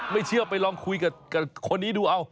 ไม่เชื่อไปลองคุยกับคนนี้ดูเอา